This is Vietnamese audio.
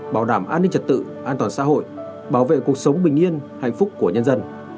bảo đảm an ninh trật tự an toàn xã hội bảo vệ cuộc sống bình yên hạnh phúc của nhân dân